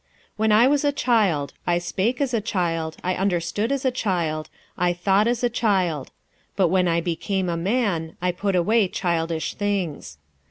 46:013:011 When I was a child, I spake as a child, I understood as a child, I thought as a child: but when I became a man, I put away childish things.